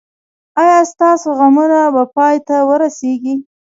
ایا ستاسو غمونه به پای ته ورسیږي؟